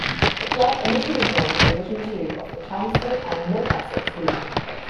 The club initially joined Division Two of the Chelmsford and Mid-Essex League.